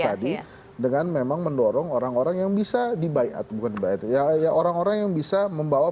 tadi dengan memang mendorong orang orang yang bisa dibayat bukan baik ya orang orang yang bisa membawa